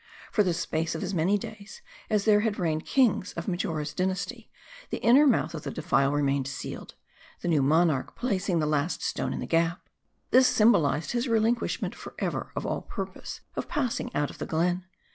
For the space of as many days, as there had reigned kings of Marjora's dynasty, the inner mouth of the defile remained sealed ; the new monarch placing the last stone in the gap. This symbolized his relinquishment for ever of all purpose of passing out of the glen.